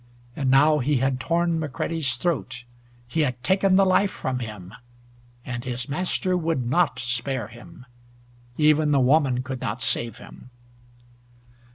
And now he had torn McCready's throat. He had taken the life from him, and his master would not spare him. Even the woman could not save him.